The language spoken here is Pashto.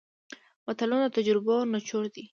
متلونه د تجربو نچوړ دی